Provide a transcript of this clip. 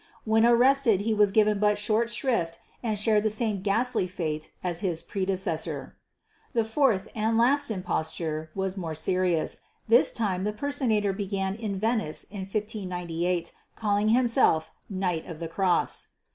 When arrested he was given but short shrift and shared the same ghastly fate as his predecessor. The fourth, and last, imposture was more serious. This time the personator began in Venice in 1598, calling himself "Knight of the Cross."